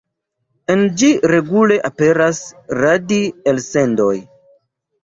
En ĝi regule aperas radi-elsendoj.